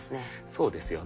そうですよね。